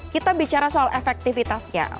kita bicara soal efektifitasnya